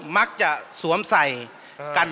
มักจะสวมใส่กัน